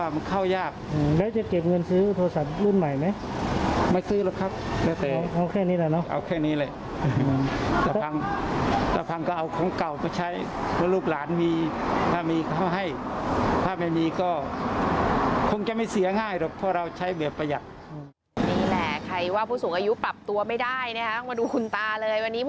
ไม่ซื้อหรอกครับแม่เต๋